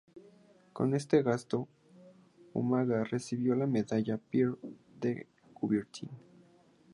Con este acto, Umaga recibió la Medalla Pierre de Coubertin.